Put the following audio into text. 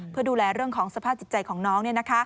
เพื่อดูแลเรื่องของสภาพจิตใจของน้อง